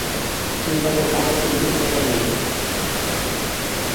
চিন্তা কর বাবা-কোটিপতি বাবার মেয়ে!